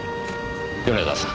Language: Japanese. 米沢さん